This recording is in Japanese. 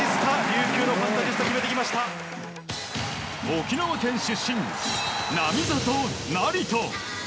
沖縄県出身、並里成。